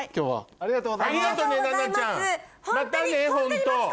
ありがとうございます。